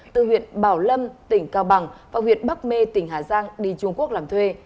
từ huyện bảo lâm tỉnh cao bằng và huyện bắc mê tỉnh hà giang đi trung quốc làm thuê